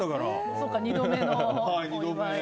そうか、２度目だし。